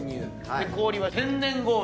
で氷は天然氷を。